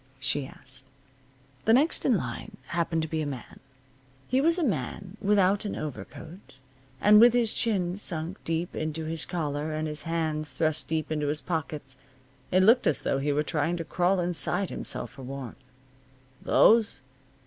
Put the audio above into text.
she asked. The next in line happened to be a man. He was a man without an overcoat, and with his chin sunk deep into his collar, and his hands thrust deep into his pockets. It looked as though he were trying to crawl inside himself for warmth. "Those?